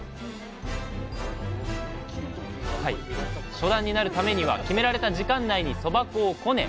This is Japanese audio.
初段になるためには決められた時間内にそば粉をこねのばし切る。